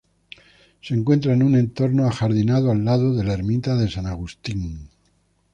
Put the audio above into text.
Se encuentra en un entorno ajardinado al lado de la Ermita de San Agustín.